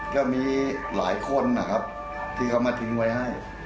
ก็มีหลายคนนะครับที่เขามาทิ้งไว้ให้